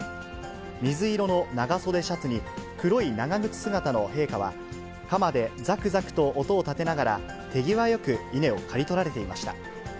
水色の長袖シャツに黒い長靴姿の陛下は、かまでざくざくと音を立てながら、手際よく稲を刈り取られていました。